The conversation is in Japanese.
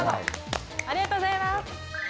ありがとうございます。